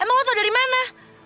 emang lo tau dari mana